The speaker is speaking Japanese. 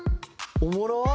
「おもろっ！」